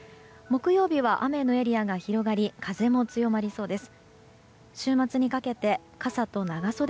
木曜日は雨のエリアが広がり風も強まりそうです。